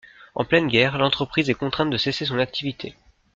En pleine guerre, l’entreprise est contrainte de cesser son activité.